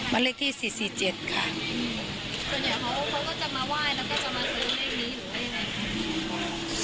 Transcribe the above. เลขที่สี่สี่เจ็ดค่ะส่วนใหญ่เขาก็จะมาไหว้แล้วก็จะมาซื้อเลขนี้หรือว่ายังไงค่ะ